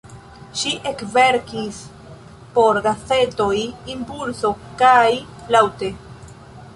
Ŝi ekverkis por gazetoj "Impulso" kaj "Laŭte".